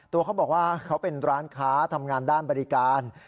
ตัวก็บอกว่าเขาเป็นร้านค้าธรรมงานด้านบริการ